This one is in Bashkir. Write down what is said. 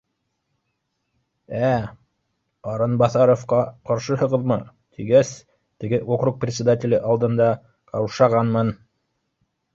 Ә, Арынбаҫаровҡа ҡаршыһығыҙмы, тигәс, теге округ председателе алдында ҡаушағанмын